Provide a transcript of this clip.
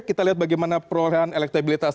kita lihat bagaimana perolehan elektabilitas